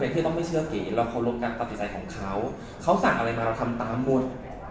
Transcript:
เด้อควรเข้าแล้วแล้วเขรวมกันปฏิสัยของเขาเขาสั่งอะไรมาเราทำตามตามมด